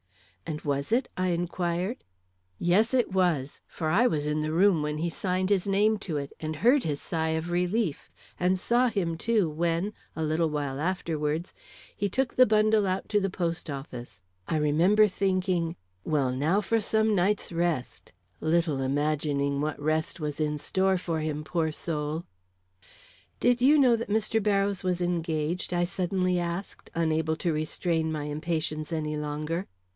"And was it?" I inquired. "Yes, it was; for I was in the room when he signed his name to it, and heard his sigh of relief, and saw him, too, when, a little while afterwards, he took the bundle out to the post office. I remember thinking, 'Well, now for some rest nights!' little imagining what rest was in store for him, poor soul!" "Did you know that Mr. Barrows was engaged?" I suddenly asked, unable to restrain my impatience any longer.